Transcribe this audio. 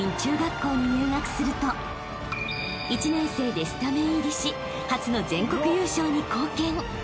［１年生でスタメン入りし初の全国優勝に貢献］